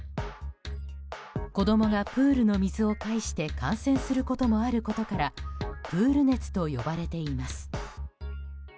子供がプールの水を介して感染することもあることからプール熱と呼ばれています。